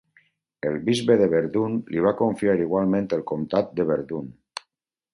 El bisbe de Verdun li va confiar igualment el comtat de Verdun.